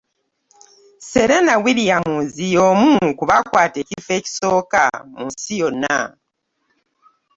Serena Williams y'omu kubakwata ekifo ekisooka mu nsi yonna.